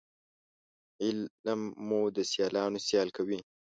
علم مو د سیالانو سیال کوي